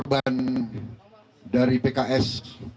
saya berharap terima kasih kepada korban dari pks